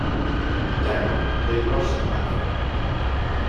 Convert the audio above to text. Damn it, they'd rush the platform.